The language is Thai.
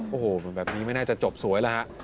โอ้โหแบบนี้ไม่น่าจะจบสวยแล้วฮะ